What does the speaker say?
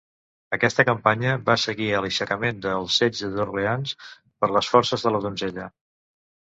Aquesta campanya va seguir a l'aixecament del Setge d'Orleans per les forces de la Donzella.